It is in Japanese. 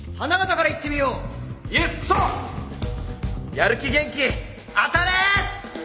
やる気元気当たれー！